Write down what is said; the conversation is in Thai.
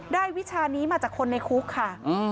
วิชานี้มาจากคนในคุกค่ะ